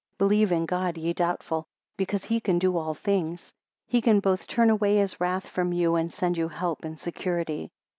Believe in God, ye doubtful, because he can do all things; he can both turn away his wrath from you, and send you help and security.